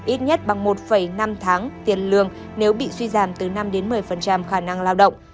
ít nhất bằng một năm tháng tiền lương nếu bị suy giảm từ năm đến một mươi khả năng lao động